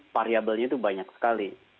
variabelnya itu banyak sekali